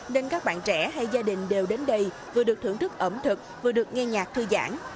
nên các bạn trẻ hay gia đình đều đến đây vừa được thưởng thức ẩm thực vừa được nghe nhạc thư giãn